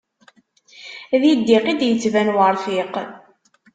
Di ddiq i d-yettban urfiq.